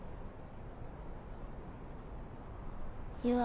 優愛